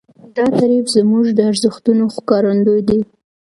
دا تعریف زموږ د ارزښتونو ښکارندوی دی.